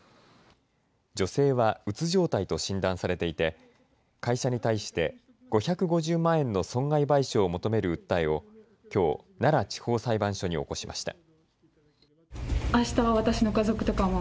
女性はうつ状態と診断されていて会社に対して５５０万円の損害賠償を求める訴えをきょう奈良地方裁判所に起こしました。